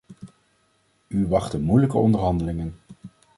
U wachten moeilijke onderhandelingen.